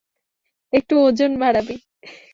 একটু ওজন বাড়াবি।